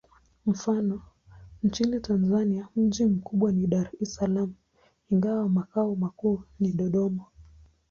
Mfano: nchini Tanzania mji mkubwa ni Dar es Salaam, ingawa makao makuu ni Dodoma.